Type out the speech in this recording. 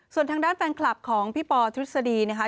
ส่วนทางด้านแฟนคลับของพี่ปอทฤษฎีนะคะ